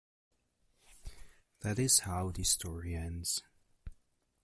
That is how the story ends.